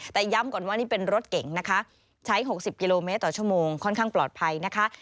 แต่ย้ำก่อนว่านี่เป็นรถเก๋งนะคะใช้๖๐กิโลเมตรต่อชั่วโมงค่อนข้างปลอดภัยนะคะ